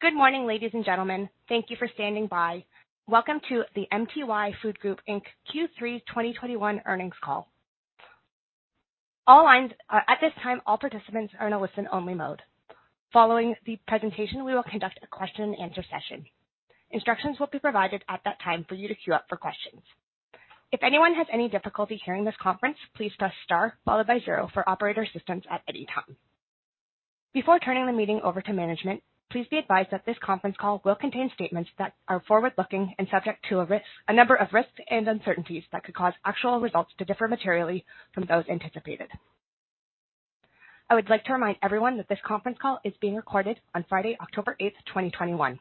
Good morning, ladies and gentlemen. Thank you for standing by. Welcome to the MTY Food Group Inc. Q3 2021 earnings call. At this time, all participants are in a listen-only mode. Following the presentation, we will conduct a question-and-answer session. Instructions will be provided at that time for you to queue up for questions. Before turning the meeting over to management, please be advised that this conference call will contain statements that are forward-looking and subject to a number of risks and uncertainties that could cause actual results to differ materially from those anticipated. I would like to remind everyone that this conference call is being recorded on Friday, October 8th, 2021.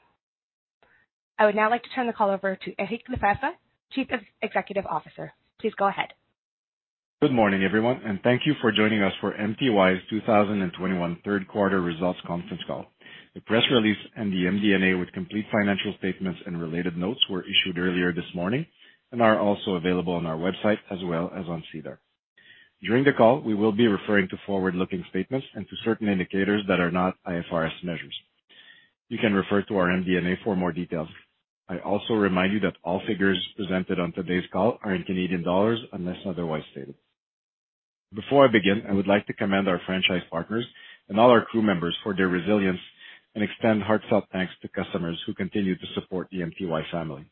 I would now like to turn the call over to Eric Lefebvre, Chief Executive Officer. Please go ahead. Good morning, everyone, thank you for joining us for MTY's 2021 Third Quarter Results Conference Call. The press release and the MD&A with complete financial statements and related notes were issued earlier this morning and are also available on our website as well as on SEDAR. During the call, we will be referring to forward-looking statements and to certain indicators that are not IFRS measures. You can refer to our MD&A for more details. I also remind you that all figures presented on today's call are in Canadian dollars unless otherwise stated. Before I begin, I would like to commend our franchise partners and all our crew members for their resilience and extend heartfelt thanks to customers who continue to support the MTY family.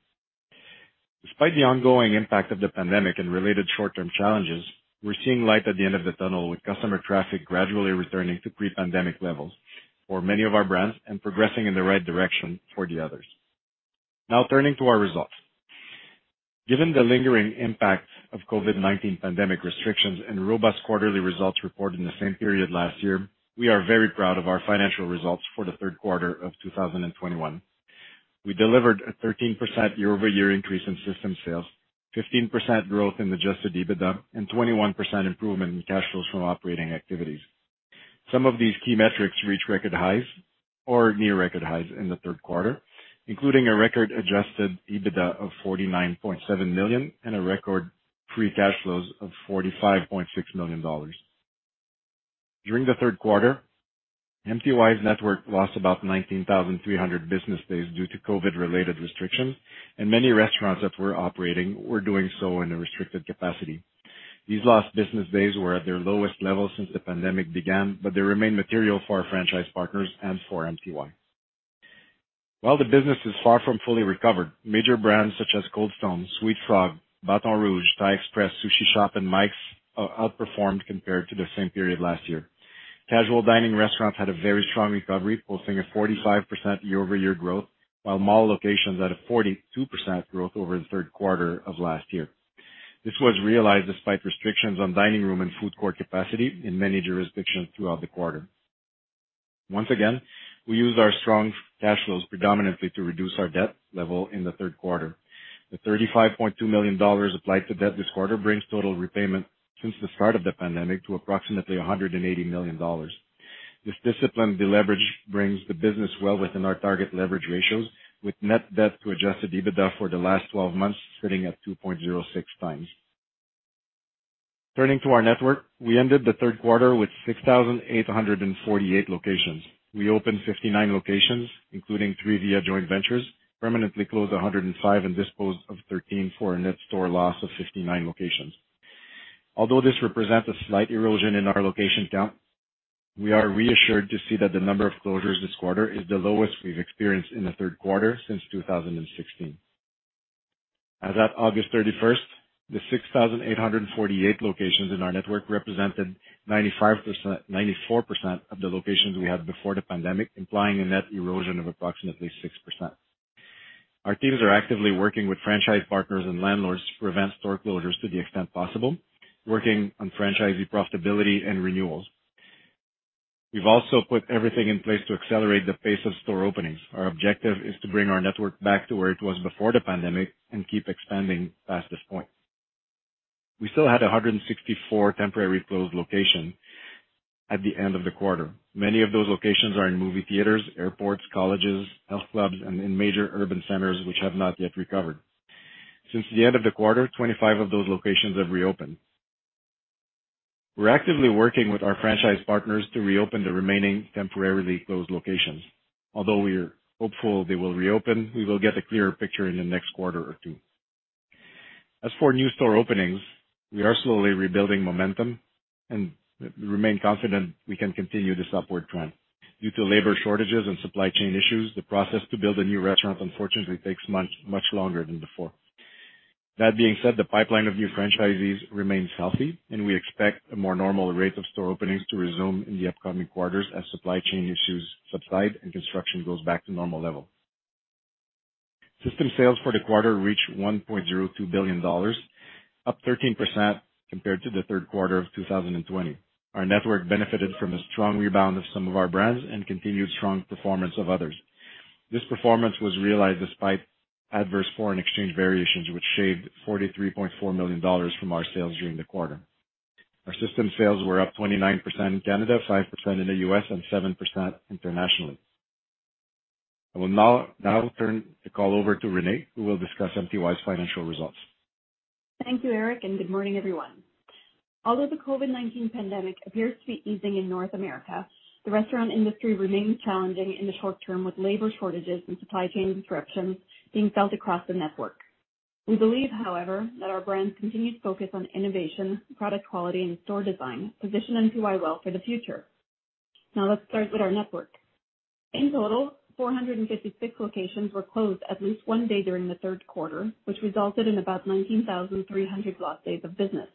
Despite the ongoing impact of the pandemic and related short-term challenges, we're seeing light at the end of the tunnel with customer traffic gradually returning to pre-pandemic levels for many of our brands and progressing in the right direction for the others. Turning to our results. Given the lingering impact of COVID-19 pandemic restrictions and robust quarterly results reported in the same period last year, we are very proud of our financial results for the third quarter of 2021. We delivered a 13% year-over-year increase in system sales, 15% growth in adjusted EBITDA, and 21% improvement in cash flows from operating activities. Some of these key metrics reach record highs or near record highs in the third quarter, including a record adjusted EBITDA of 49.7 million and a record free cash flows of 45.6 million dollars. During the third quarter, MTY's network lost about 19,300 business days due to COVID-related restrictions, and many restaurants that were operating were doing so in a restricted capacity. These lost business days were at their lowest level since the pandemic began, but they remain material for our franchise partners and for MTY. While the business is far from fully recovered, major brands such as Cold Stone, sweetFrog, Bâton Rouge, Thaï Express, Sushi Shop, and Mikes outperformed compared to the same period last year. Casual dining restaurants had a very strong recovery, posting a 45% year-over-year growth, while mall locations had a 42% growth over the third quarter of last year. This was realized despite restrictions on dining room and food court capacity in many jurisdictions throughout the quarter. Once again, we used our strong cash flows predominantly to reduce our debt level in the third quarter. The 35.2 million dollars applied to debt this quarter brings total repayment since the start of the pandemic to approximately 180 million dollars. This disciplined deleverage brings the business well within our target leverage ratios, with net debt to adjusted EBITDA for the last 12 months sitting at 2.06x. Turning to our network, we ended the third quarter with 6,848 locations. We opened 59 locations, including three via joint ventures, permanently closed 105, and disposed of 13 for a net store loss of 59 locations. Although this represents a slight erosion in our location count, we are reassured to see that the number of closures this quarter is the lowest we've experienced in the third quarter since 2016. As at August 31st, the 6,848 locations in our network represented 94% of the locations we had before the pandemic, implying a net erosion of approximately 6%. Our teams are actively working with franchise partners and landlords to prevent store closures to the extent possible, working on franchisee profitability and renewals. We've also put everything in place to accelerate the pace of store openings. Our objective is to bring our network back to where it was before the pandemic and keep expanding past this point. We still had 164 temporarily closed locations at the end of the quarter. Many of those locations are in movie theaters, airports, colleges, health clubs, and in major urban centers which have not yet recovered. Since the end of the quarter, 25 of those locations have reopened. We're actively working with our franchise partners to reopen the remaining temporarily closed locations. Although we are hopeful they will reopen, we will get a clearer picture in the next quarter or two. As for new store openings, we are slowly rebuilding momentum and remain confident we can continue this upward trend. Due to labor shortages and supply chain issues, the process to build a new restaurant unfortunately takes much longer than before. That being said, the pipeline of new franchisees remains healthy, and we expect a more normal rate of store openings to resume in the upcoming quarters as supply chain issues subside and construction goes back to normal levels. System sales for the quarter reached 1.02 billion dollars, up 13% compared to the third quarter of 2020. Our network benefited from a strong rebound of some of our brands and continued strong performance of others. This performance was realized despite adverse foreign exchange variations, which shaved 43.4 million dollars from our sales during the quarter. Our system sales were up 29% in Canada, 5% in the U.S., and 7% internationally. I will now turn the call over to Renée, who will discuss MTY's financial results. Thank you, Eric, and good morning, everyone. Although the COVID-19 pandemic appears to be easing in North America, the restaurant industry remains challenging in the short term, with labor shortages and supply chain disruptions being felt across the network. We believe, however, that our brand's continued focus on innovation, product quality, and store design position MTY well for the future. Now let's start with our network. In total, 456 locations were closed at least one day during the third quarter, which resulted in about 19,300 lost days of business.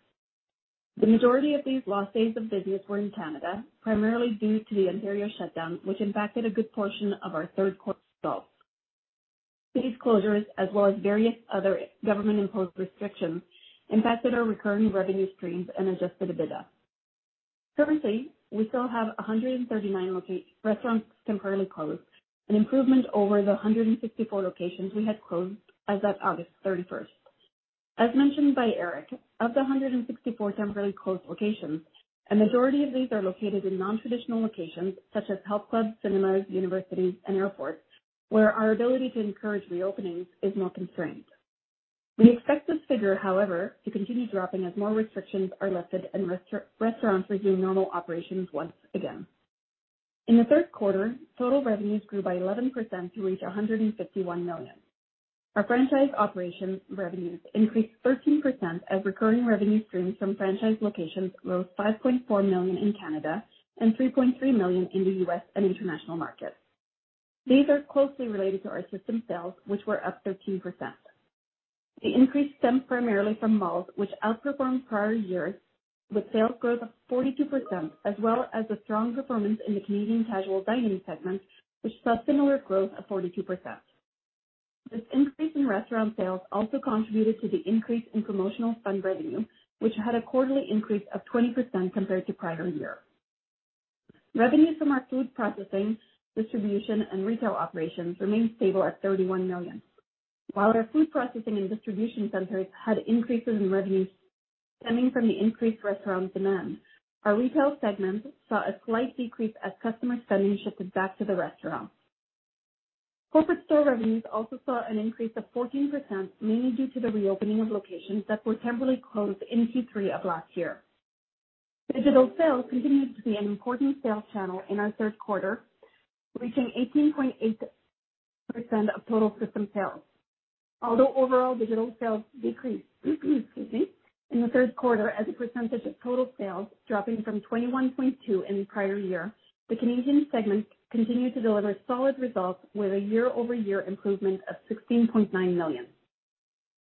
The majority of these lost days of business were in Canada, primarily due to the Ontario shutdown, which impacted a good portion of our third quarter results. These closures, as well as various other government-imposed restrictions, impacted our recurring revenue streams and adjusted EBITDA. Currently, we still have 139 restaurants temporarily closed, an improvement over the 164 locations we had closed as of August 31st. As mentioned by Eric, of the 164 temporarily closed locations, a majority of these are located in non-traditional locations such as health clubs, cinemas, universities, and airports, where our ability to encourage reopenings is more constrained. We expect this figure, however, to continue dropping as more restrictions are lifted and restaurants resume normal operations once again. In the third quarter, total revenues grew by 11% to reach 151 million. Our franchise operation revenues increased 13% as recurring revenue streams from franchise locations rose 5.4 million in Canada and 3.3 million in the U.S. and international markets. These are closely related to our system sales, which were up 13%. The increase stemmed primarily from malls, which outperformed prior years with sales growth of 42%, as well as the strong performance in the Canadian casual dining segment, which saw similar growth of 42%. This increase in restaurant sales also contributed to the increase in promotional fund revenue, which had a quarterly increase of 20% compared to prior year. Revenues from our food processing, distribution, and retail operations remained stable at 31 million. While our food processing and distribution centers had increases in revenues stemming from the increased restaurant demand, our retail segment saw a slight decrease as customer spending shifted back to the restaurant. Corporate store revenues also saw an increase of 14%, mainly due to the reopening of locations that were temporarily closed in Q3 of last year. Digital sales continued to be an important sales channel in our third quarter, reaching 18.8% of total system sales. Although overall digital sales decreased excuse me, in the third quarter as a percentage of total sales, dropping from 21.2% in the prior year, the Canadian segment continued to deliver solid results with a year-over-year improvement of 16.9 million.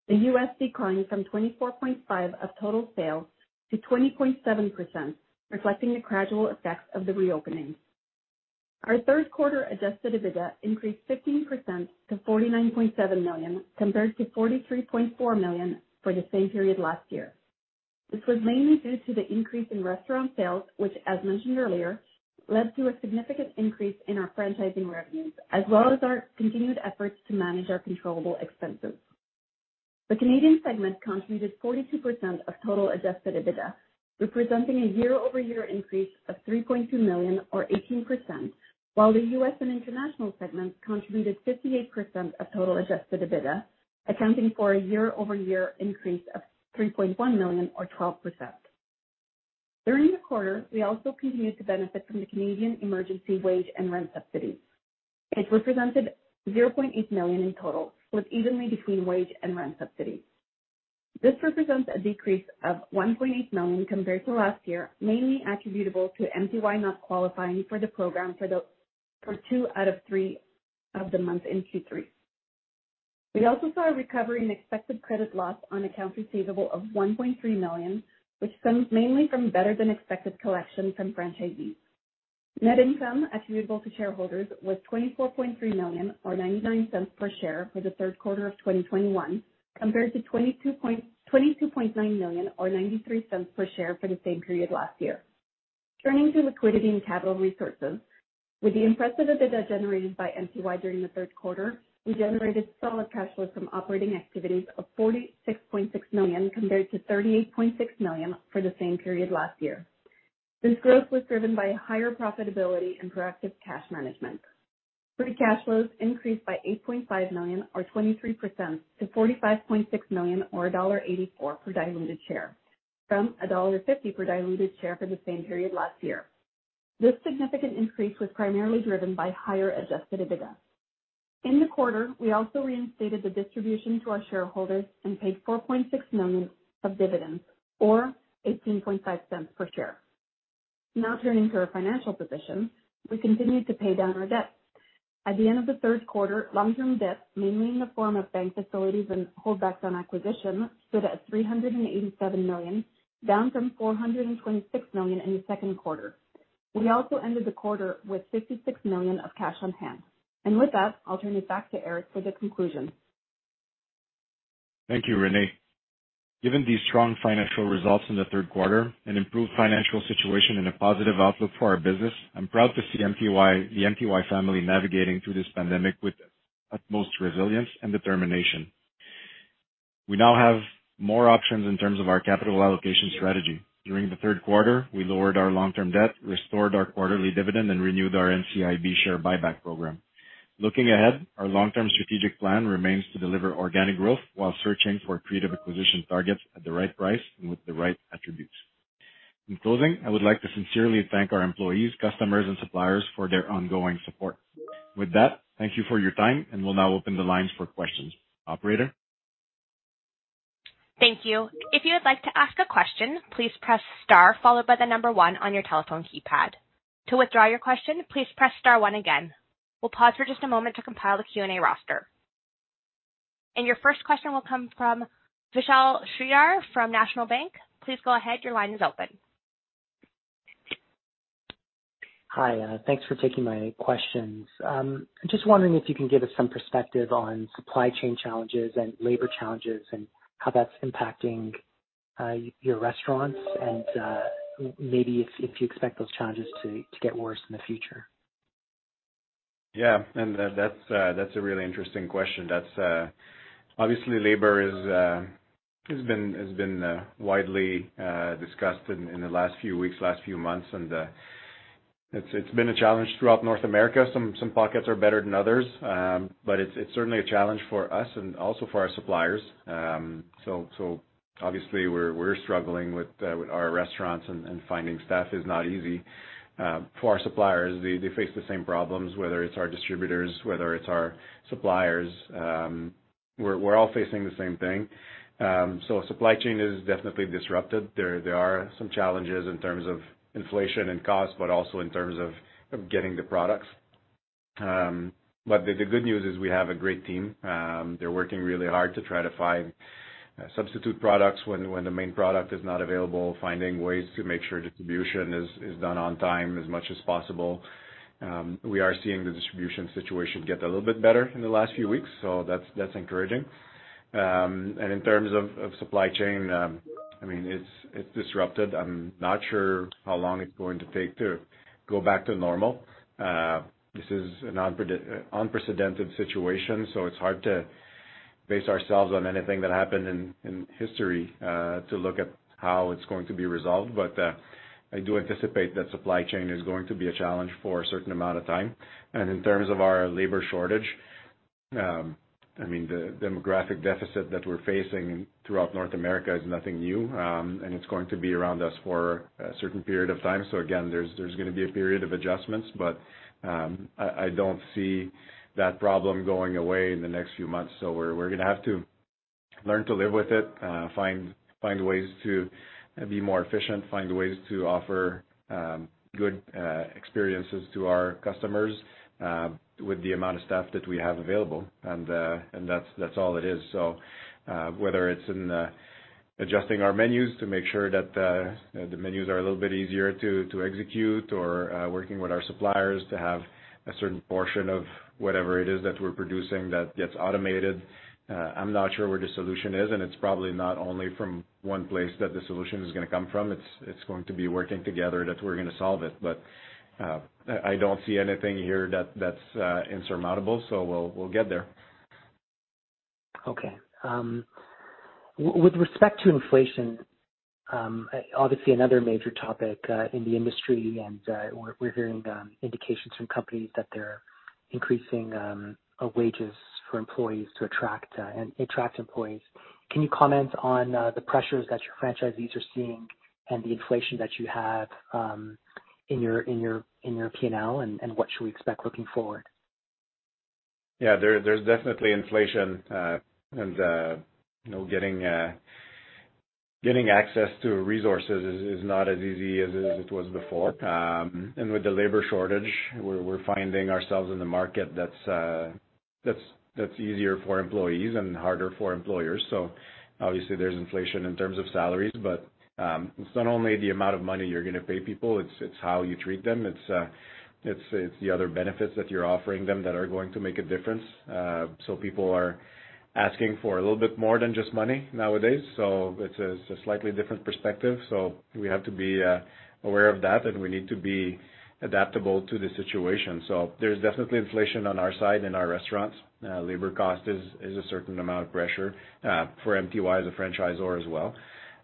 The U.S. declined from 24.5% of total sales to 20.7%, reflecting the gradual effects of the reopening. Our third quarter adjusted EBITDA increased 15% to 49.7 million, compared to 43.4 million for the same period last year. This was mainly due to the increase in restaurant sales, which, as mentioned earlier, led to a significant increase in our franchising revenues, as well as our continued efforts to manage our controllable expenses. The Canadian segment contributed 42% of total adjusted EBITDA, representing a year-over-year increase of 3.2 million, or 18%, while the U.S. and international segments contributed 58% of total adjusted EBITDA, accounting for a year-over-year increase of 3.1 million, or 12%. During the quarter, we also continued to benefit from the Canada Emergency Wage and Rent Subsidy, which represented 0.8 million in total, split evenly between wage and rent subsidy. This represents a decrease of 1.8 million compared to last year, mainly attributable to MTY not qualifying for the program for two out of three of the months in Q3. We also saw a recovery in expected credit loss on accounts receivable of 1.3 million, which stems mainly from better-than-expected collection from franchisees. Net income attributable to shareholders was 24.3 million, or 0.99 per share, for the third quarter of 2021, compared to 22.9 million, or 0.93 per share, for the same period last year. Turning to liquidity and capital resources, with the impressive adjusted EBITDA generated by MTY during the third quarter, we generated solid cash flows from operating activities of 46.6 million, compared to 38.6 million for the same period last year. This growth was driven by higher profitability and proactive cash management. Free cash flows increased by 8.5 million, or 23%, to 45.6 million, or CAD 1.84 per diluted share, from CAD 1.50 per diluted share for the same period last year. This significant increase was primarily driven by higher adjusted EBITDA. In the quarter, we also reinstated the distribution to our shareholders and paid 4.6 million of dividends or 0.185 per share. Turning to our financial position. We continued to pay down our debt. At the end of the third quarter, long-term debt, mainly in the form of bank facilities and holdbacks on acquisition, stood at 387 million, down from 426 million in the second quarter. We also ended the quarter with 56 million of cash on hand. With that, I'll turn it back to Eric for the conclusion. Thank you, Renée. Given these strong financial results in the third quarter, an improved financial situation, and a positive outlook for our business, I'm proud to see the MTY family navigating through this pandemic with utmost resilience and determination. We now have more options in terms of our capital allocation strategy. During the third quarter, we lowered our long-term debt, restored our quarterly dividend, and renewed our NCIB share buyback program. Looking ahead, our long-term strategic plan remains to deliver organic growth while searching for creative acquisition targets at the right price and with the right attributes. In closing, I would like to sincerely thank our employees, customers, and suppliers for their ongoing support. With that, thank you for your time, and we'll now open the lines for questions. Operator? Thank you. If you would like to ask a question, please press star followed by the number one on your telephone keypad. To withdraw your question, please press star one again. We'll pause for just a moment to compile the Q&A roster. Your first question will come from Vishal Shreedhar from National Bank. Please go ahead. Your line is open. Hi. Thanks for taking my questions. I'm just wondering if you can give us some perspective on supply chain challenges and labor challenges and how that's impacting your restaurants and maybe if you expect those challenges to get worse in the future? That's a really interesting question. Obviously, labor has been widely discussed in the last few weeks, last few months, it's been a challenge throughout North America. Some pockets are better than others, it's certainly a challenge for us and also for our suppliers. Obviously, we're struggling with our restaurants, finding staff is not easy. For our suppliers, they face the same problems, whether it's our distributors, whether it's our suppliers. We're all facing the same thing. Supply chain is definitely disrupted. There are some challenges in terms of inflation and cost, also in terms of getting the products. The good news is we have a great team. They're working really hard to try to find substitute products when the main product is not available, finding ways to make sure distribution is done on time as much as possible. We are seeing the distribution situation get a little bit better in the last few weeks, so that's encouraging. In terms of supply chain, it's disrupted. I'm not sure how long it's going to take to go back to normal. This is an unprecedented situation, so it's hard to base ourselves on anything that happened in history to look at how it's going to be resolved. I do anticipate that supply chain is going to be a challenge for a certain amount of time. In terms of our labor shortage, the demographic deficit that we're facing throughout North America is nothing new. It's going to be around us for a certain period of time. Again, there's going to be a period of adjustments, but I don't see that problem going away in the next few months. We're going to have to learn to live with it, find ways to be more efficient, find ways to offer good experiences to our customers with the amount of staff that we have available, and that's all it is. Whether it's in adjusting our menus to make sure that the menus are a little bit easier to execute or working with our suppliers to have a certain portion of whatever it is that we're producing that gets automated. I'm not sure where the solution is, and it's probably not only from one place that the solution is going to come from. It's going to be working together that we're going to solve it. I don't see anything here that's insurmountable. We'll get there. Okay. With respect to inflation, obviously another major topic in the industry, and we're hearing indications from companies that they're increasing wages for employees to attract employees. Can you comment on the pressures that your franchisees are seeing and the inflation that you have in your P&L, and what should we expect looking forward? Yeah, there's definitely inflation. Getting access to resources is not as easy as it was before. With the labor shortage, we're finding ourselves in the market that's easier for employees and harder for employers. Obviously, there's inflation in terms of salaries, but it's not only the amount of money you're going to pay people, it's how you treat them. It's the other benefits that you're offering them that are going to make a difference. People are asking for a little bit more than just money nowadays. It's a slightly different perspective. We have to be aware of that, and we need to be adaptable to the situation. There's definitely inflation on our side in our restaurants. Labor cost is a certain amount of pressure for MTY as a franchisor as well.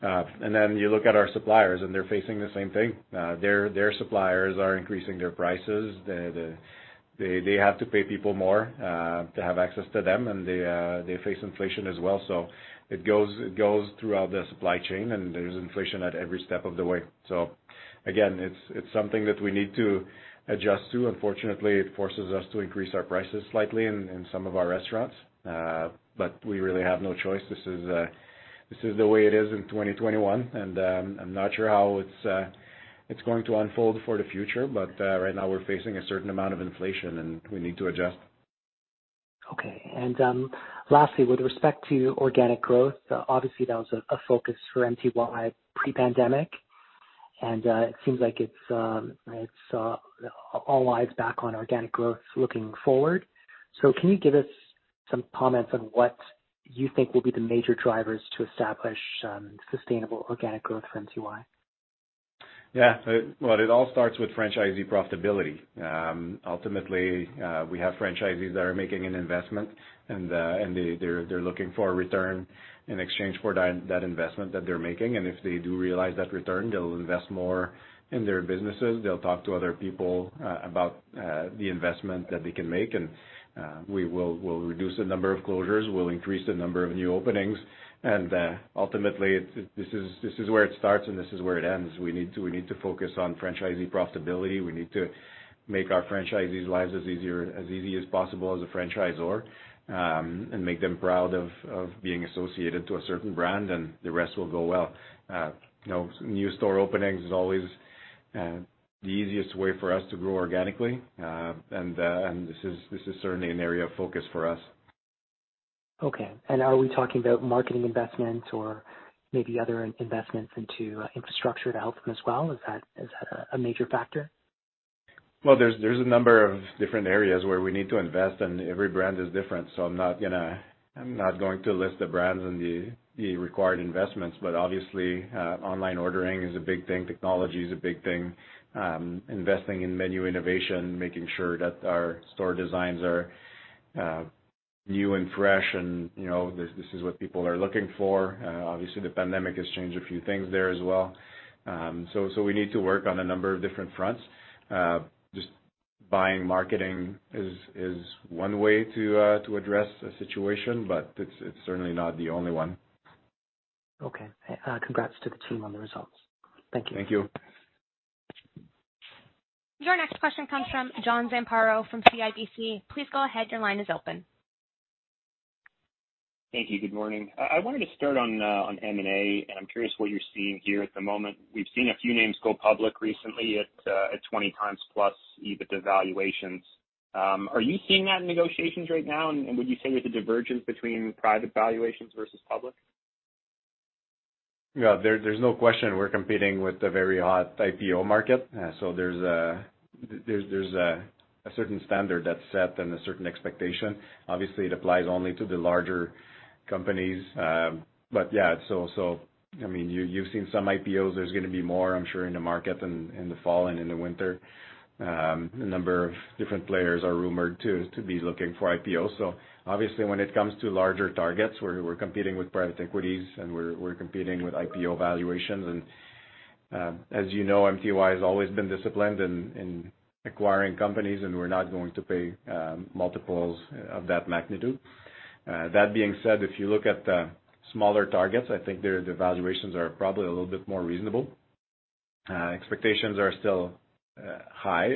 Then you look at our suppliers, and they're facing the same thing. Their suppliers are increasing their prices. They have to pay people more to have access to them, and they face inflation as well. It goes throughout the supply chain, and there's inflation at every step of the way. Again, it's something that we need to adjust to. Unfortunately, it forces us to increase our prices slightly in some of our restaurants. We really have no choice. This is the way it is in 2021, and I'm not sure how it's going to unfold for the future. Right now, we're facing a certain amount of inflation, and we need to adjust. Okay. Lastly, with respect to organic growth, obviously that was a focus for MTY pre-pandemic, and it seems like it's all eyes back on organic growth looking forward. Can you give us some comments on what you think will be the major drivers to establish sustainable organic growth for MTY? Yeah. Well, it all starts with franchisee profitability. Ultimately, we have franchisees that are making an investment, and they're looking for a return in exchange for that investment that they're making. If they do realize that return, they'll invest more in their businesses. They'll talk to other people about the investment that they can make, and we'll reduce the number of closures. We'll increase the number of new openings. Ultimately, this is where it starts, and this is where it ends. We need to focus on franchisee profitability. We need to make our franchisees' lives as easy as possible as a franchisor, and make them proud of being associated to a certain brand, and the rest will go well. New store openings is always the easiest way for us to grow organically, and this is certainly an area of focus for us. Okay. Are we talking about marketing investments or maybe other investments into infrastructure to help them as well? Is that a major factor? There's a number of different areas where we need to invest, and every brand is different. I'm not going to list the brands and the required investments, but obviously, online ordering is a big thing. Technology is a big thing, investing in menu innovation, making sure that our store designs are new and fresh and this is what people are looking for. Obviously, the pandemic has changed a few things there as well. We need to work on a number of different fronts. Just buying marketing is one way to address a situation, but it's certainly not the only one. Okay. Congrats to the team on the results. Thank you. Thank you. Your next question comes from John Zamparo from CIBC. Please go ahead. Your line is open. Thank you. Good morning. I wanted to start on M&A, and I'm curious what you're seeing here at the moment. We've seen a few names go public recently at 20x plus EBITDA valuations. Are you seeing that in negotiations right now? Would you say there's a divergence between private valuations versus public? Yeah, there's no question we're competing with a very hot IPO market. There's a certain standard that's set and a certain expectation. Obviously, it applies only to the larger companies. Yeah. You've seen some IPOs. There's going to be more, I'm sure, in the market in the fall and in the winter. A number of different players are rumored to be looking for IPOs. Obviously, when it comes to larger targets, we're competing with private equities, and we're competing with IPO valuations. As you know, MTY has always been disciplined in acquiring companies, and we're not going to pay multiples of that magnitude. That being said, if you look at the smaller targets, I think the valuations are probably a little bit more reasonable. Expectations are still high.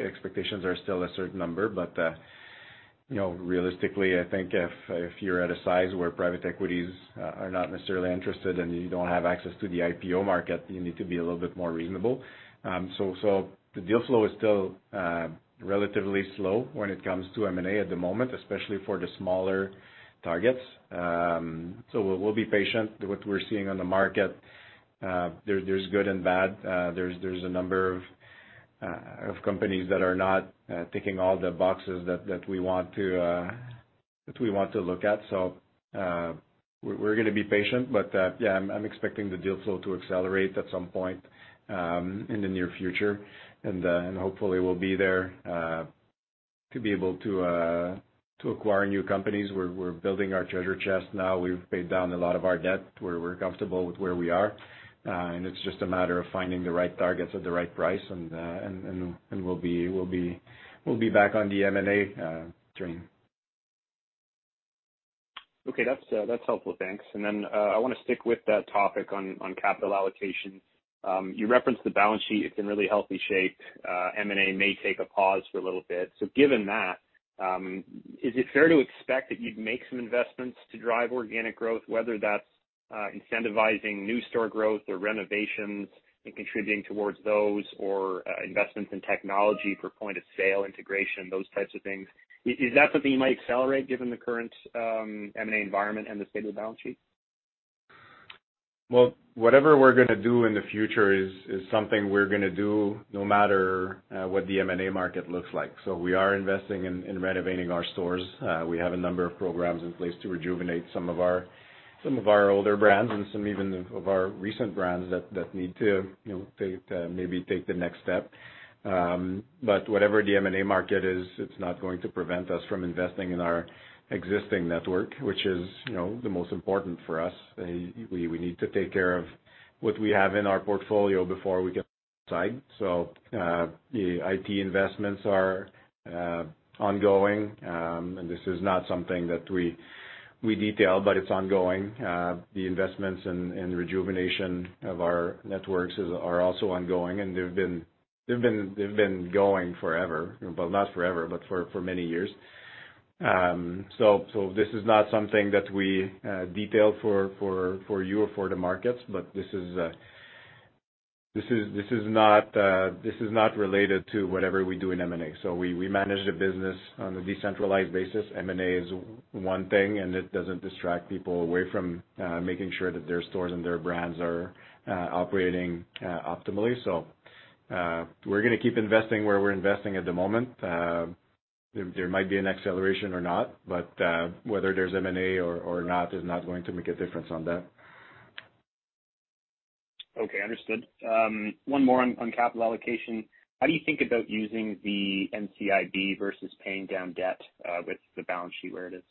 Expectations are still a certain number, but realistically, I think if you're at a size where private equity are not necessarily interested and you don't have access to the IPO market, you need to be a little bit more reasonable. The deal flow is still relatively slow when it comes to M&A at the moment, especially for the smaller targets. We'll be patient. What we're seeing on the market, there's good and bad. There's a number of companies that are not ticking all the boxes that we want to look at. We're going to be patient, but yeah, I'm expecting the deal flow to accelerate at some point in the near future. Hopefully, we'll be there to be able to acquire new companies. We're building our treasure chest now. We've paid down a lot of our debt. We're comfortable with where we are, and it's just a matter of finding the right targets at the right price, and we'll be back on the M&A train. Okay, that's helpful. Thanks. I want to stick with that topic on capital allocation. You referenced the balance sheet. It's in really healthy shape. M&A may take a pause for a little bit. Given that, is it fair to expect that you'd make some investments to drive organic growth, whether that's incentivizing new store growth or renovations and contributing towards those, or investments in technology for point-of-sale integration, those types of things? Is that something you might accelerate given the current M&A environment and the state of the balance sheet? Whatever we're going to do in the future is something we're going to do no matter what the M&A market looks like. We are investing in renovating our stores. We have a number of programs in place to rejuvenate some of our older brands and some even of our recent brands that need to maybe take the next step. Whatever the M&A market is, it's not going to prevent us from investing in our existing network, which is the most important for us. We need to take care of what we have in our portfolio before we get outside. The IT investments are ongoing, and this is not something that we detail, but it's ongoing. The investments and rejuvenation of our networks are also ongoing, and they've been going forever. Not forever, but for many years. This is not something that we detail for you or for the markets, but this is not related to whatever we do in M&A. We manage the business on a decentralized basis. M&A is one thing, and it doesn't distract people away from making sure that their stores and their brands are operating optimally. We're going to keep investing where we're investing at the moment. There might be an acceleration or not, but whether there's M&A or not is not going to make a difference on that. Okay, understood. One more on capital allocation. How do you think about using the NCIB versus paying down debt with the balance sheet where it is?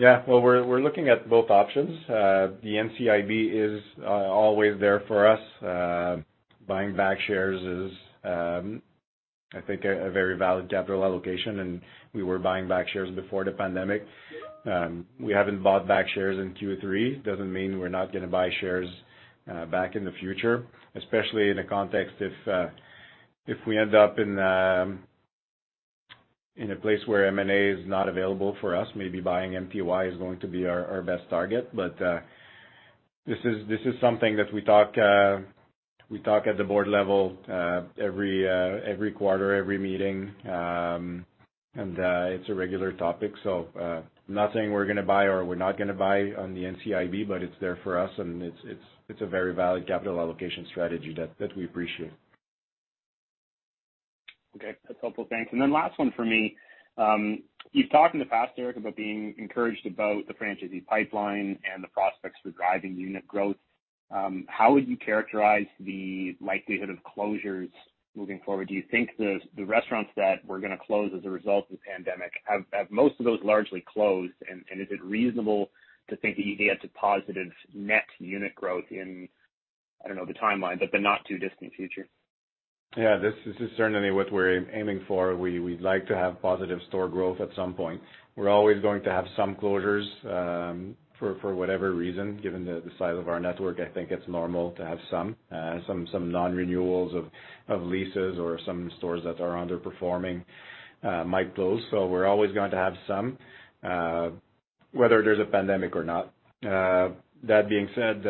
Well, we're looking at both options. The NCIB is always there for us. Buying back shares is, I think, a very valid capital allocation, and we were buying back shares before the pandemic. We haven't bought back shares in Q3. Doesn't mean we're not going to buy shares back in the future, especially in a context if we end up in a place where M&A is not available for us, maybe buying MTY is going to be our best target. This is something that we talk at the board level every quarter, every meeting. It's a regular topic. I'm not saying we're going to buy or we're not going to buy on the NCIB, but it's there for us, and it's a very valid capital allocation strategy that we appreciate. Okay. That's helpful. Thanks. Last one from me. You've talked in the past, Eric, about being encouraged about the franchisee pipeline and the prospects for driving unit growth. How would you characterize the likelihood of closures moving forward? Do you think the restaurants that were going to close as a result of the pandemic, have most of those largely closed, and is it reasonable to think that you could get to positive net unit growth in, I don't know the timeline, but the not too distant future? Yeah. This is certainly what we're aiming for. We'd like to have positive store growth at some point. We're always going to have some closures for whatever reason. Given the size of our network, I think it's normal to have some non-renewals of leases or some stores that are underperforming might close. We're always going to have some, whether there's a pandemic or not. That being said,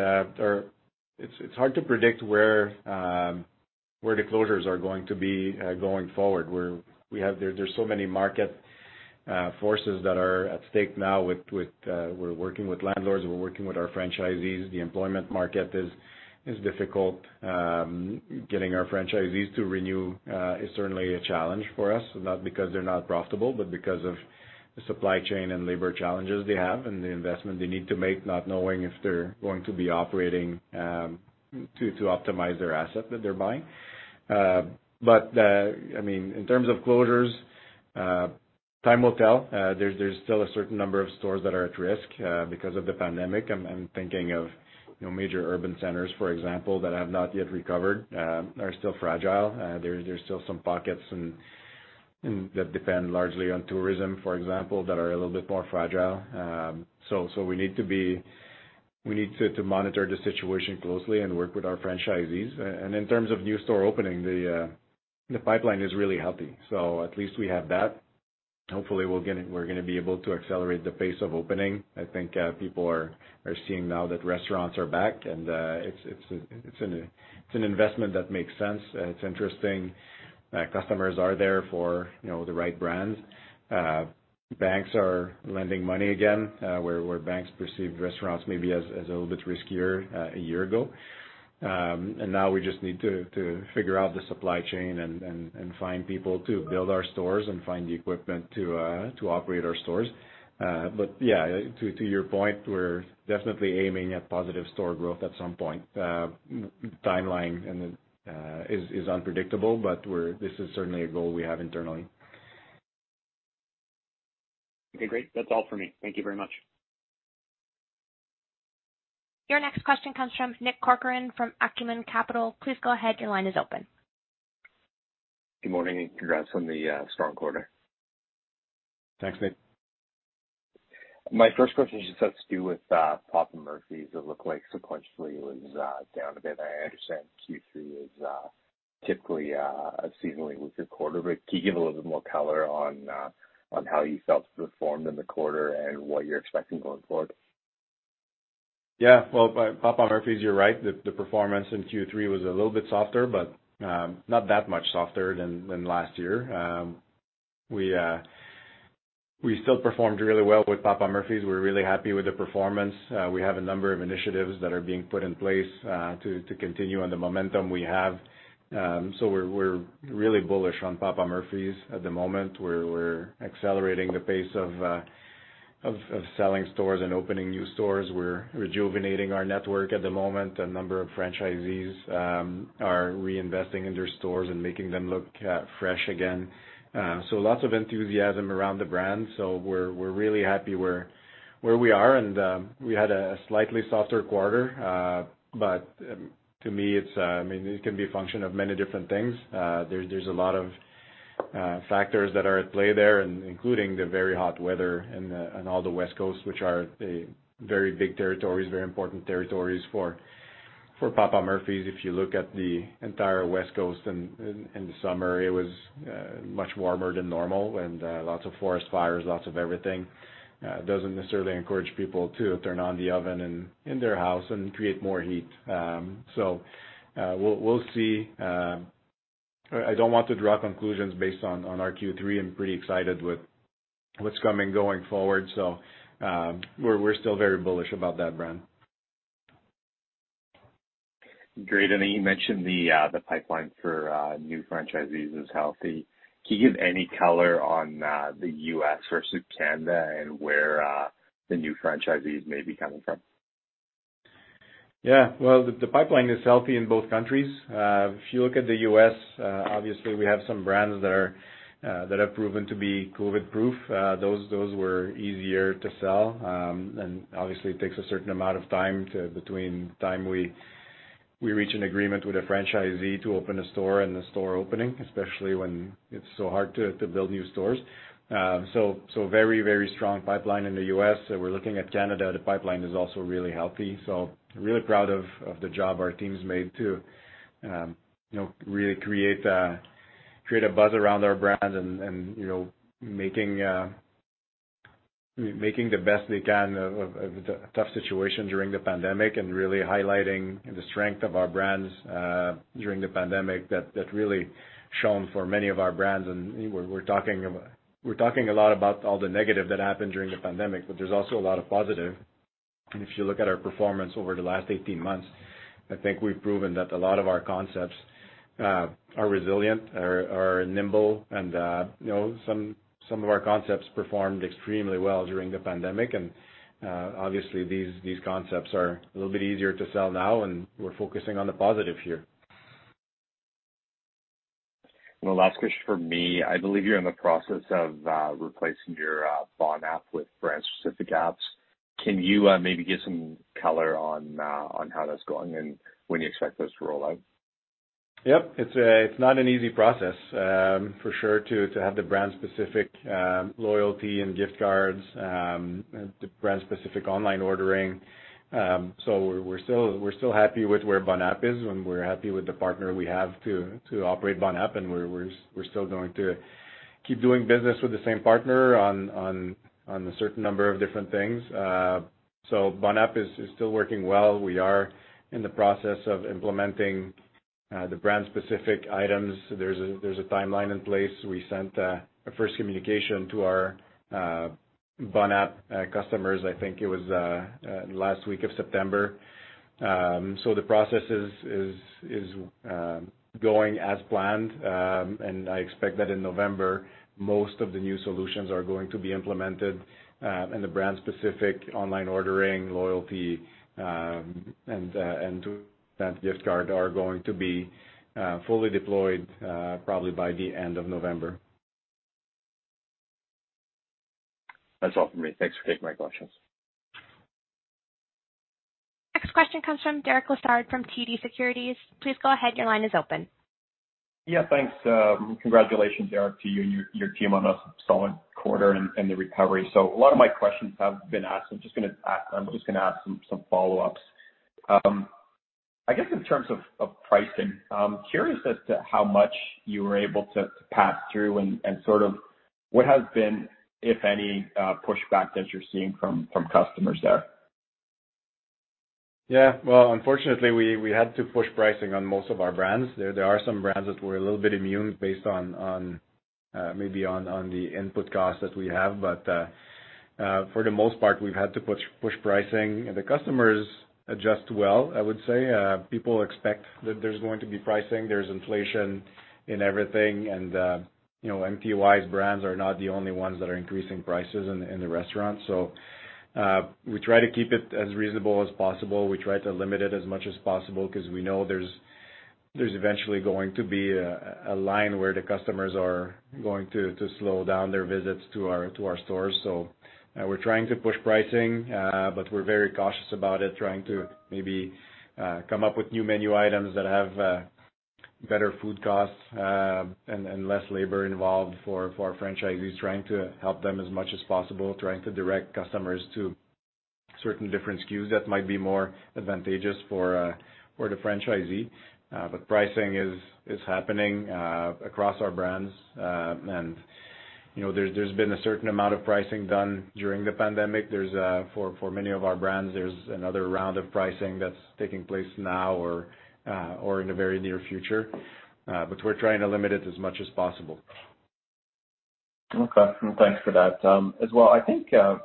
it's hard to predict where the closures are going to be going forward, where there's so many market forces that are at stake now, we're working with landlords, we're working with our franchisees. The employment market is difficult. Getting our franchisees to renew is certainly a challenge for us, not because they're not profitable, but because of the supply chain and labor challenges they have and the investment they need to make, not knowing if they're going to be operating to optimize their asset that they're buying. In terms of closures, time will tell. There's still a certain number of stores that are at risk because of the pandemic. I'm thinking of major urban centers, for example, that have not yet recovered, are still fragile. There's still some pockets that depend largely on tourism, for example, that are a little bit more fragile. We need to monitor the situation closely and work with our franchisees. In terms of new store opening, the pipeline is really healthy, so at least we have that. Hopefully, we're going to be able to accelerate the pace of opening. I think people are seeing now that restaurants are back and it's an investment that makes sense. It's interesting. Customers are there for the right brands. Banks are lending money again, where banks perceived restaurants maybe as a little bit riskier a year ago. Now we just need to figure out the supply chain and find people to build our stores and find the equipment to operate our stores. Yeah, to your point, we're definitely aiming at positive store growth at some point. Timeline is unpredictable, but this is certainly a goal we have internally. Okay, great. That's all for me. Thank you very much. Your next question comes from Nick Corcoran from Acumen Capital. Please go ahead. Your line is open. Good morning, and congrats on the strong quarter. Thanks, Nick. My first question just has to do with Papa Murphy's. It looked like sequentially it was down a bit. I understand Q3 is typically a seasonally looser quarter. Can you give a little bit more color on how you felt it performed in the quarter and what you're expecting going forward? Yeah. Well, Papa Murphy's, you're right. The performance in Q3 was a little bit softer, but not that much softer than last year. We still performed really well with Papa Murphy's. We're really happy with the performance. We have a number of initiatives that are being put in place to continue on the momentum we have. We're really bullish on Papa Murphy's at the moment. We're accelerating the pace of selling stores and opening new stores. We're rejuvenating our network at the moment. A number of franchisees are reinvesting in their stores and making them look fresh again. Lots of enthusiasm around the brand. We're really happy where we are, and we had a slightly softer quarter. To me, it can be a function of many different things. There's a lot of factors that are at play there, including the very hot weather on all the West Coast, which are very big territories, very important territories for Papa Murphy's. If you look at the entire West Coast in the summer, it was much warmer than normal and lots of forest fires, lots of everything. Doesn't necessarily encourage people to turn on the oven in their house and create more heat. We'll see. I don't want to draw conclusions based on our Q3. I'm pretty excited with what's coming going forward. We're still very bullish about that brand. Great. You mentioned the pipeline for new franchisees is healthy. Can you give any color on the U.S. versus Canada and where the new franchisees may be coming from? Yeah. Well, the pipeline is healthy in both countries. If you look at the U.S., obviously we have some brands that have proven to be COVID-proof. Those were easier to sell. Obviously it takes a certain amount of time between the time we reach an agreement with a franchisee to open a store and the store opening, especially when it's so hard to build new stores. Very strong pipeline in the U.S. We're looking at Canada, the pipeline is also really healthy. Really proud of the job our team's made to really create a buzz around our brand and making the best they can of a tough situation during the pandemic, and really highlighting the strength of our brands during the pandemic that really shone for many of our brands. We're talking a lot about all the negative that happened during the pandemic, but there's also a lot of positive. If you look at our performance over the last 18 months, I think we've proven that a lot of our concepts are resilient, are nimble, and some of our concepts performed extremely well during the pandemic. Obviously these concepts are a little bit easier to sell now, and we're focusing on the positive here. One last question from me. I believe you're in the process of replacing your Bon App with brand-specific apps. Can you maybe give some color on how that's going and when you expect those to roll out? Yep. It's not an easy process, for sure, to have the brand-specific loyalty and gift cards, the brand-specific online ordering. We're still happy with where Bon App is, and we're happy with the partner we have to operate Bon App, and we're still going to keep doing business with the same partner on a certain number of different things. Bon App is still working well. We are in the process of implementing the brand-specific items. There's a timeline in place. We sent a first communication to our Bon App customers, I think it was last week of September. The process is going as planned. I expect that in November, most of the new solutions are going to be implemented, and the brand-specific online ordering, loyalty, and gift card are going to be fully deployed probably by the end of November. That's all from me. Thanks for taking my questions. Next question comes from Derek Lessard from TD Securities. Please go ahead, your line is open. Yeah, thanks. Congratulations, Eric, to you and your team on a solid quarter and the recovery. A lot of my questions have been asked, so I'm just gonna ask some follow-ups. I guess in terms of pricing, I'm curious as to how much you were able to pass through and sort of what has been, if any, pushback that you're seeing from customers there? Yeah. Well, unfortunately, we had to push pricing on most of our brands. There are some brands that were a little bit immune based on maybe on the input cost that we have. For the most part, we've had to push pricing. The customers adjust well, I would say. People expect that there's going to be pricing. There's inflation in everything, and MTY's brands are not the only ones that are increasing prices in the restaurants. We try to keep it as reasonable as possible. We try to limit it as much as possible because we know there's eventually going to be a line where the customers are going to slow down their visits to our stores. We're trying to push pricing, but we're very cautious about it, trying to maybe come up with new menu items that have better food costs and less labor involved for our franchisees. Trying to help them as much as possible, trying to direct customers to certain different SKUs that might be more advantageous for the franchisee. Pricing is happening across our brands. There's been a certain amount of pricing done during the pandemic. For many of our brands, there's another round of pricing that's taking place now or in the very near future. We're trying to limit it as much as possible. Okay, thanks for that. As well, I think I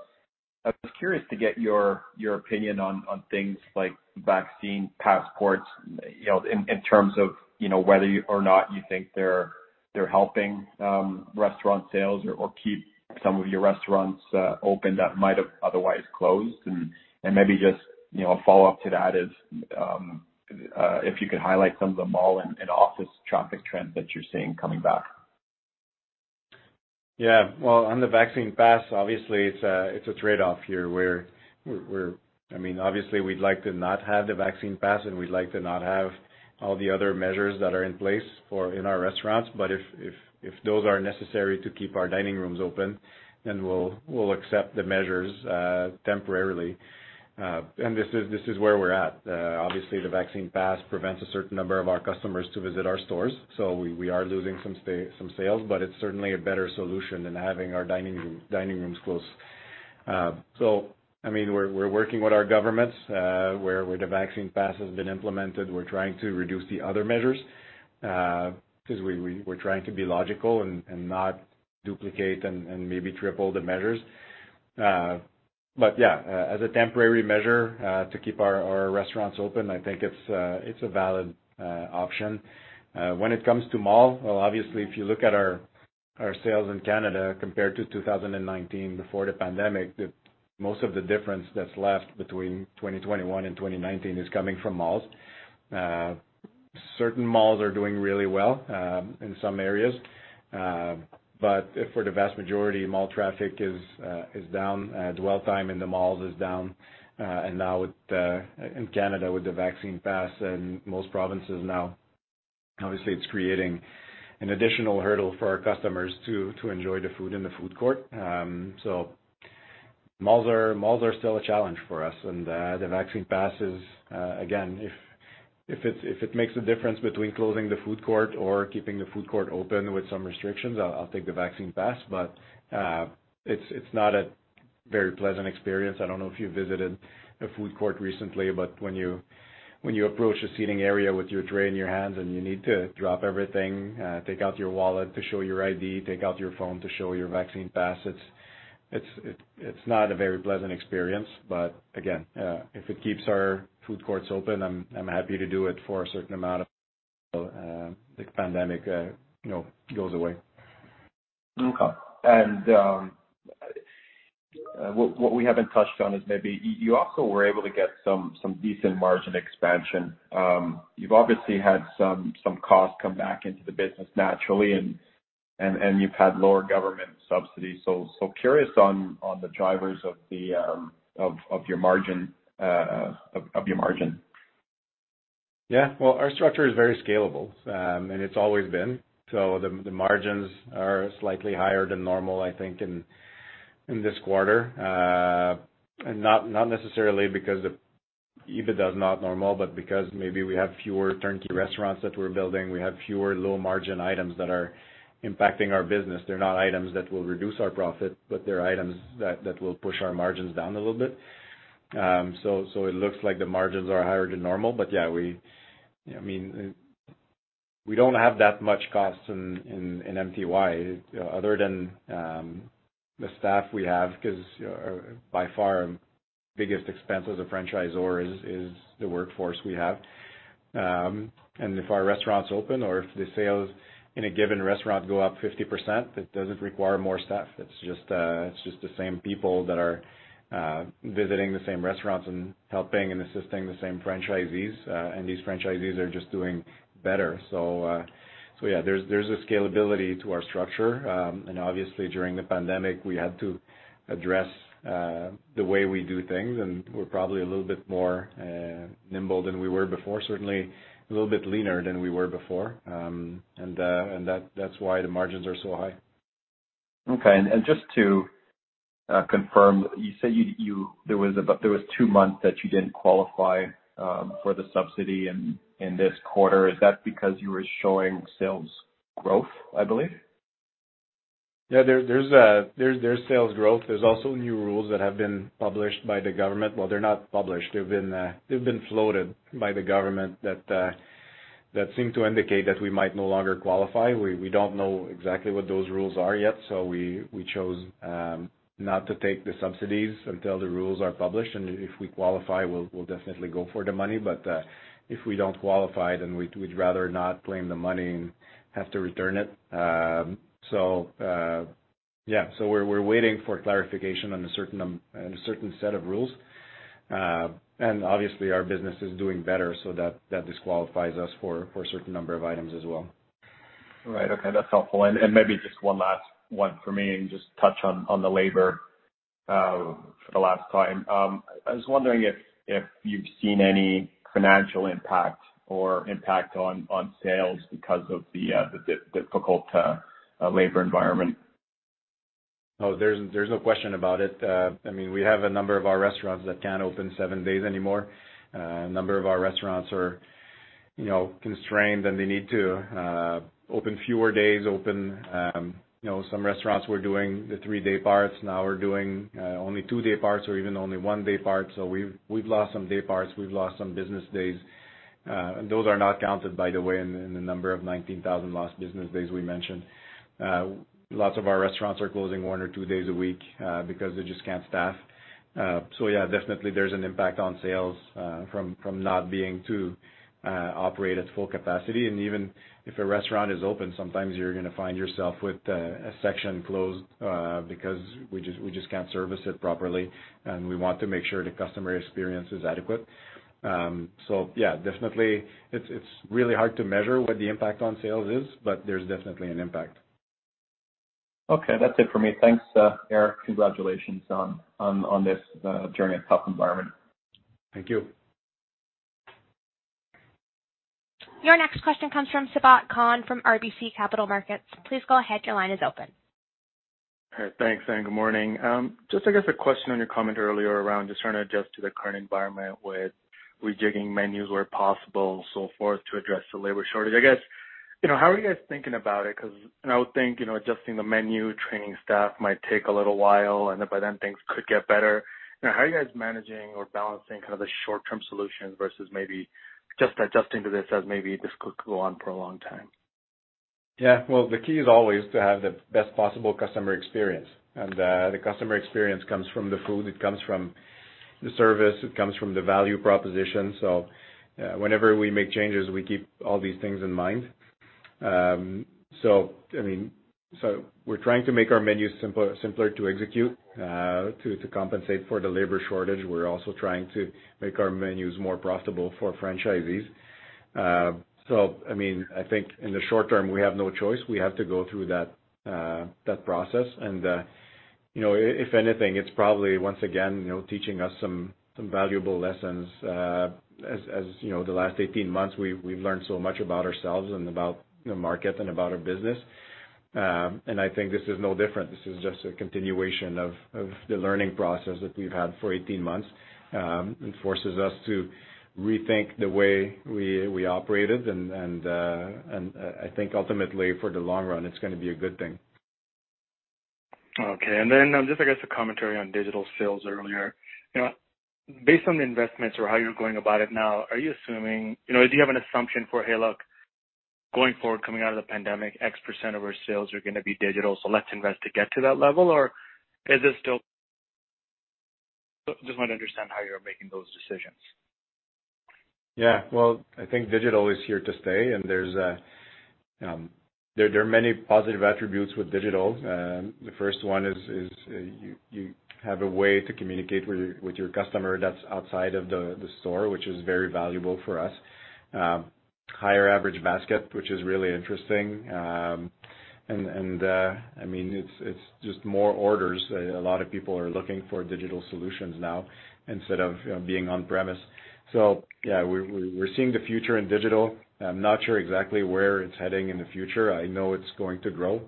was curious to get your opinion on things like vaccine passports, in terms of whether or not you think they're helping restaurant sales or keep some of your restaurants open that might have otherwise closed? Maybe just a follow-up to that is, if you could highlight some of the mall and office traffic trends that you're seeing coming back? Well, on the vaccine pass, obviously it's a trade-off here where, I mean, obviously we'd like to not have the vaccine pass and we'd like to not have all the other measures that are in place in our restaurants. If those are necessary to keep our dining rooms open, then we'll accept the measures temporarily. This is where we're at. Obviously, the vaccine pass prevents a certain number of our customers to visit our stores. We are losing some sales, but it's certainly a better solution than having our dining rooms closed. I mean, we're working with our governments, where the vaccine pass has been implemented. We're trying to reduce the other measures, because we're trying to be logical and not duplicate and maybe triple the measures. Yeah, as a temporary measure to keep our restaurants open, I think it's a valid option. When it comes to mall, well, obviously, if you look at our sales in Canada compared to 2019 before the pandemic, most of the difference that's left between 2021 and 2019 is coming from malls. Certain malls are doing really well in some areas. For the vast majority, mall traffic is down, dwell time in the malls is down. Now in Canada, with the vaccine pass in most provinces now, obviously, it's creating an additional hurdle for our customers to enjoy the food in the food court. Malls are still a challenge for us, and the vaccine passes, again, if it makes a difference between closing the food court or keeping the food court open with some restrictions, I'll take the vaccine pass. It's not a very pleasant experience. I don't know if you visited a food court recently, but when you approach a seating area with your tray in your hands and you need to drop everything, take out your wallet to show your ID, take out your phone to show your vaccine pass, it's not a very pleasant experience. Again, if it keeps our food courts open, I'm happy to do it for a certain amount of time until the pandemic goes away. Okay. What we haven't touched on is maybe you also were able to get some decent margin expansion? You've obviously had some costs come back into the business naturally and you've had lower government subsidies. Curious on the drivers of your margin. Well, our structure is very scalable, and it's always been. The margins are slightly higher than normal, I think, in this quarter. Not necessarily because the EBITDA is not normal, but because maybe we have fewer turnkey restaurants that we're building. We have fewer low-margin items that are impacting our business. They're not items that will reduce our profit, but they're items that will push our margins down a little bit. It looks like the margins are higher than normal, but yeah, we don't have that much cost in MTY other than the staff we have, because by far, our biggest expense as a franchisor is the workforce we have. If our restaurants open or if the sales in a given restaurant go up 50%, it doesn't require more staff. It's just the same people that are visiting the same restaurants and helping and assisting the same franchisees, and these franchisees are just doing better. Yeah, there's a scalability to our structure. Obviously, during the pandemic, we had to address the way we do things, and we're probably a little bit more nimble than we were before, certainly a little bit leaner than we were before, and that's why the margins are so high. Okay, just to confirm, you say there was two months that you didn't qualify for the subsidy in this quarter. Is that because you were showing sales growth, I believe? Yeah, there's sales growth. There's also new rules that have been published by the government. Well, they're not published. They've been floated by the government that seem to indicate that we might no longer qualify. We don't know exactly what those rules are yet, so we chose not to take the subsidies until the rules are published, and if we qualify, we'll definitely go for the money. If we don't qualify, we'd rather not claim the money and have to return it. Yeah. We're waiting for clarification on a certain set of rules. Obviously, our business is doing better, so that disqualifies us for a certain number of items as well. Right. Okay. That's helpful. Maybe just one last one for me, and just touch on the labor for the last time. I was wondering if you've seen any financial impact or impact on sales because of the difficult labor environment? Oh, there's no question about it. We have a number of our restaurants that can't open seven days anymore. A number of our restaurants are constrained, and they need to open fewer days. Some restaurants were doing the three-day parts, now are doing only two-day parts or even only one-day parts. We've lost some day parts. We've lost some business days. Those are not counted, by the way, in the number of 19,000 lost business days we mentioned. Lots of our restaurants are closing one or two days a week because they just can't staff. Yeah, definitely, there's an impact on sales from not being to operate at full capacity. Even if a restaurant is open, sometimes you're going to find yourself with a section closed because we just can't service it properly, and we want to make sure the customer experience is adequate. Yeah, definitely, it's really hard to measure what the impact on sales is, but there's definitely an impact. Okay. That's it for me. Thanks, Eric. Congratulations on this journey in a tough environment. Thank you. Your next question comes from Sabahat Khan from RBC Capital Markets. Please go ahead. Your line is open. Hey, thanks, and good morning. Just, I guess, a question on your comment earlier around just trying to adjust to the current environment with rejigging menus where possible, so forth, to address the labor shortage. I guess, how are you guys thinking about it? I would think adjusting the menu, training staff might take a little while, and by then things could get better. How are you guys managing or balancing the short-term solutions versus maybe just adjusting to this as maybe this could go on for a long time? Yeah. Well, the key is always to have the best possible customer experience, and the customer experience comes from the food, it comes from the service, it comes from the value proposition. Whenever we make changes, we keep all these things in mind. We're trying to make our menus simpler to execute, to compensate for the labor shortage. We're also trying to make our menus more profitable for franchisees. I think in the short term, we have no choice. We have to go through that process. If anything, it's probably, once again, teaching us some valuable lessons. As you know, the last 18 months, we've learned so much about ourselves and about the market and about our business. I think this is no different. This is just a continuation of the learning process that we've had for 18 months, and forces us to rethink the way we operated. I think ultimately for the long run, it's going to be a good thing. Okay. Just, I guess, a commentary on digital sales earlier. Based on the investments or how you're going about it now, do you have an assumption for, "Hey, look, going forward, coming out of the pandemic, X percent of our sales are going to be digital, so let's invest to get to that level?" I just want to understand how you're making those decisions. Yeah. Well, I think digital is here to stay, and there are many positive attributes with digital. The first one is you have a way to communicate with your customer that's outside of the store, which is very valuable for us. Higher average basket, which is really interesting. It's just more orders. A lot of people are looking for digital solutions now instead of being on premise. Yeah, we're seeing the future in digital. I'm not sure exactly where it's heading in the future. I know it's going to grow.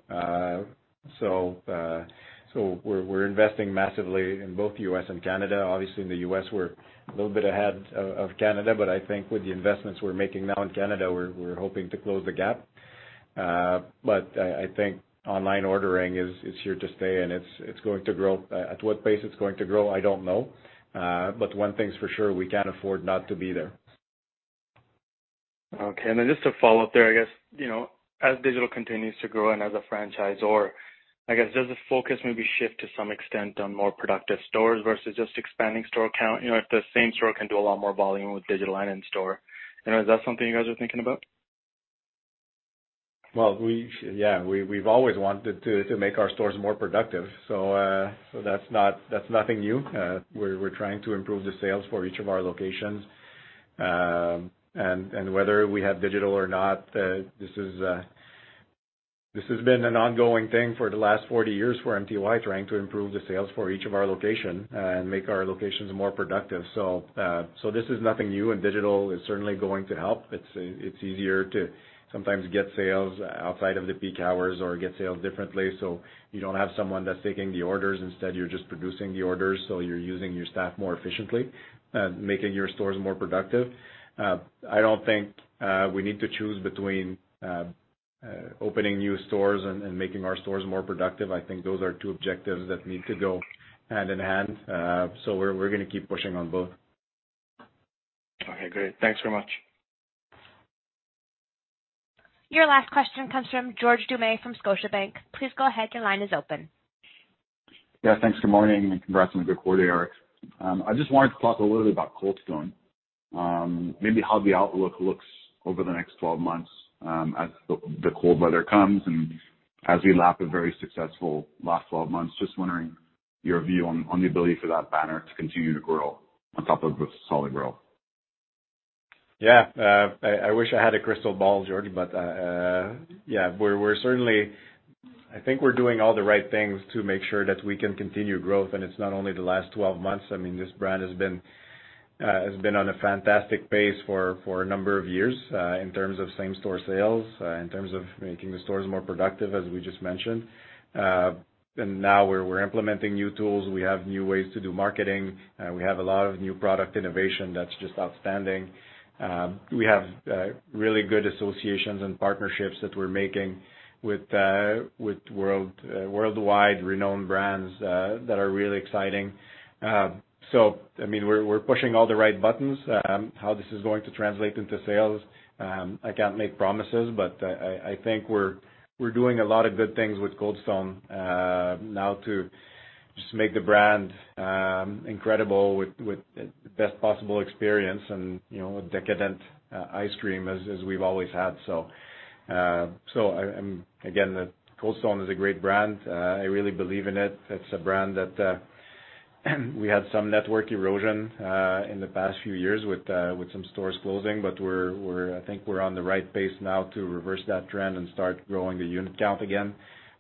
We're investing massively in both U.S. and Canada. Obviously in the U.S., we're a little bit ahead of Canada, but I think with the investments we're making now in Canada, we're hoping to close the gap. I think online ordering is here to stay, and it's going to grow. At what pace it's going to grow, I don't know. One thing's for sure, we can't afford not to be there. Okay. Then just to follow up there, I guess, as digital continues to grow and as a franchisor, I guess, does the focus maybe shift to some extent on more productive stores versus just expanding store count, if the same store can do a lot more volume with digital and in store? Is that something you guys are thinking about? Yeah, we've always wanted to make our stores more productive. That's nothing new. We're trying to improve the sales for each of our locations. Whether we have digital or not, this has been an ongoing thing for the last 40 years for MTY, trying to improve the sales for each of our location and make our locations more productive. This is nothing new, and digital is certainly going to help. It's easier to sometimes get sales outside of the peak hours or get sales differently. You don't have someone that's taking the orders. Instead, you're just producing the orders, so you're using your staff more efficiently, making your stores more productive. I don't think we need to choose between opening new stores and making our stores more productive. I think those are two objectives that need to go hand in hand. We're going to keep pushing on both. Okay, great. Thanks very much. Your last question comes from George Doumet from Scotiabank. Please go ahead, your line is open. Yeah, thanks. Good morning, and congrats on a good quarter, Eric. I just wanted to talk a little bit about Cold Stone. Maybe how the outlook looks over the next 12 months, as the cold weather comes and as we lap a very successful last 12 months, just wondering your view on the ability for that banner to continue to grow on top of solid growth. I wish I had a crystal ball, George. I think we're doing all the right things to make sure that we can continue growth. It's not only the last 12 months, I mean, this brand has been on a fantastic pace for a number of years, in terms of same store sales, in terms of making the stores more productive, as we just mentioned. Now we're implementing new tools. We have new ways to do marketing. We have a lot of new product innovation that's just outstanding. We have really good associations and partnerships that we're making with worldwide renowned brands, that are really exciting. I mean, we're pushing all the right buttons. How this is going to translate into sales, I can't make promises, but I think we're doing a lot of good things with Cold Stone now to just make the brand incredible with the best possible experience and, a decadent ice cream as we've always had. Again, Cold Stone is a great brand. I really believe in it. It's a brand that we had some network erosion in the past few years with some stores closing. I think we're on the right pace now to reverse that trend and start growing the unit count again.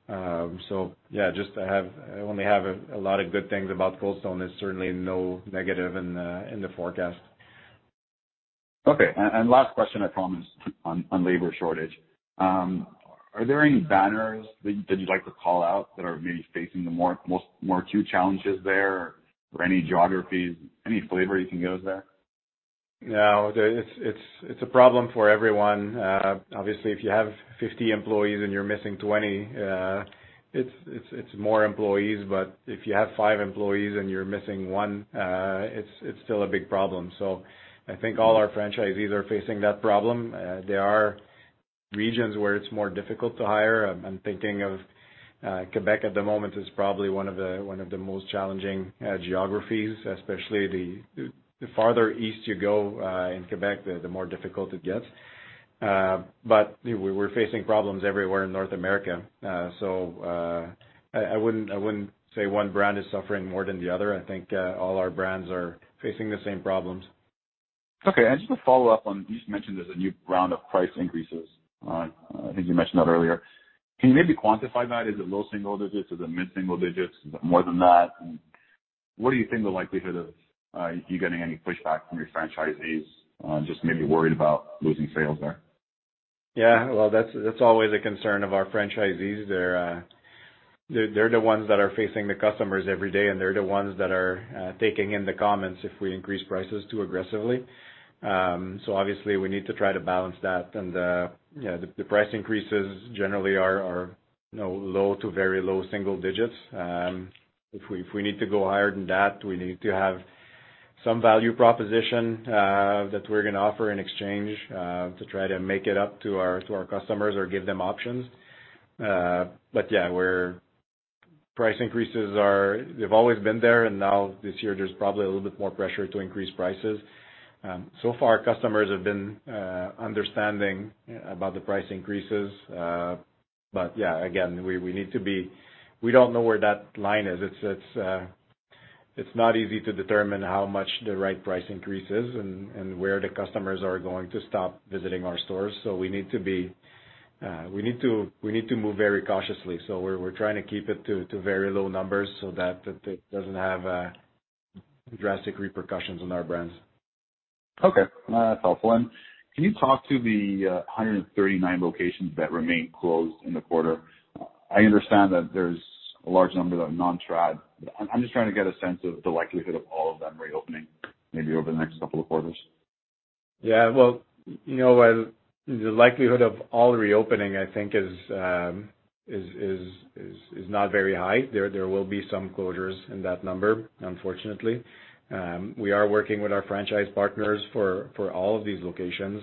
Yeah, just I only have a lot of good things about Cold Stone. There's certainly no negative in the forecast. Okay. Last question, I promise, on labor shortage. Are there any banners that you'd like to call out that are maybe facing the more acute challenges there? Any geographies, any flavor you can give us there? No, it's a problem for everyone. Obviously, if you have 50 employees and you're missing 20, it's more employees, but if you have five employees and you're missing one, it's still a big problem. I think all our franchisees are facing that problem. There are regions where it's more difficult to hire, I'm thinking of Quebec at the moment is probably one of the most challenging geographies, especially the farther east you go in Quebec, the more difficult it gets. We're facing problems everywhere in North America. I wouldn't say one brand is suffering more than the other. I think all our brands are facing the same problems. Okay. Just to follow up on, you just mentioned there's a new round of price increases. I think you mentioned that earlier. Can you maybe quantify that? Is it low single digits? Is it mid-single digits? Is it more than that? What do you think the likelihood of you getting any pushback from your franchisees on just maybe worried about losing sales there? Yeah. Well, that's always a concern of our franchisees. They're the ones that are facing the customers every day, and they're the ones that are taking in the comments if we increase prices too aggressively. Obviously, we need to try to balance that. The price increases generally are low to very low single digits. If we need to go higher than that, we need to have some value proposition, that we're going to offer in exchange, to try to make it up to our customers or give them options. Price increases, they've always been there. Now this year, there's probably a little bit more pressure to increase prices. Far customers have been understanding about the price increases. Again, we don't know where that line is. It's not easy to determine how much the right price increase is and where the customers are going to stop visiting our stores. We need to move very cautiously. We're trying to keep it to very low numbers so that it doesn't have drastic repercussions on our brands. Okay. That's helpful. Can you talk to the 139 locations that remain closed in the quarter? I understand that there's a large number that are non-trad. I'm just trying to get a sense of the likelihood of all of them reopening maybe over the next couple of quarters. Well, the likelihood of all reopening, I think is not very high. There will be some closures in that number, unfortunately. We are working with our franchise partners for all of these locations.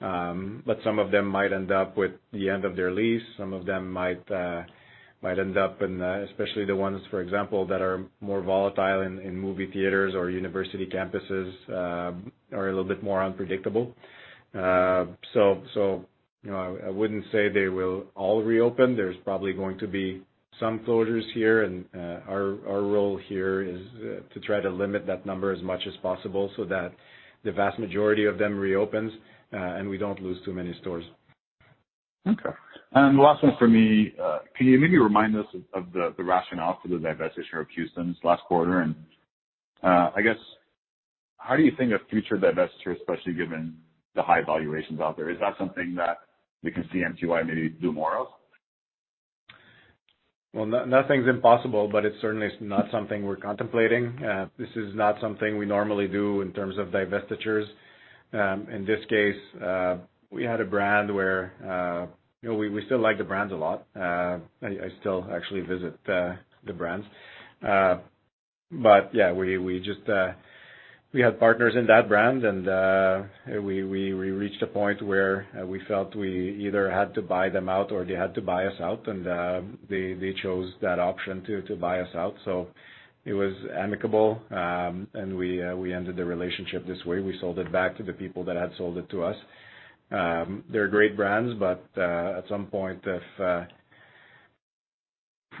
Some of them might end up with the end of their lease. Some of them might end up in, especially the ones, for example, that are more volatile in movie theaters or university campuses, are a little bit more unpredictable. I wouldn't say they will all reopen. There's probably going to be some closures here. Our role here is to try to limit that number as much as possible so that the vast majority of them reopens, and we don't lose too many stores. Okay. Last one from me. Can you maybe remind us of the rationale for the divestiture of Houston this last quarter, and I guess, how do you think of future divestitures, especially given the high valuations out there? Is that something that we can see MTY maybe do more of? Well, nothing's impossible, but it's certainly not something we're contemplating. This is not something we normally do in terms of divestitures. In this case, we had a brand where we still like the brands a lot. I still actually visit the brands. Yeah, we had partners in that brand, we reached a point where we felt we either had to buy them out or they had to buy us out. They chose that option to buy us out. It was amicable. We ended the relationship this way. We sold it back to the people that had sold it to us. They're great brands, at some point,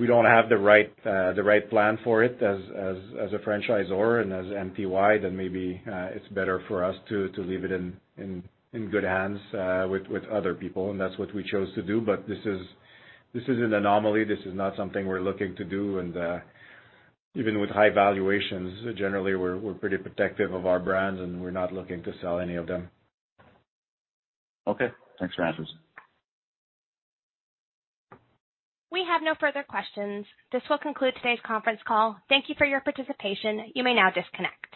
if we don't have the right plan for it as a franchisor and as MTY, then maybe it's better for us to leave it in good hands with other people, that's what we chose to do. This is an anomaly. This is not something we're looking to do. Even with high valuations, generally, we're pretty protective of our brands, and we're not looking to sell any of them. Okay. Thanks for the answers. We have no further questions. This will conclude today's conference call. Thank you for your participation. You may now disconnect.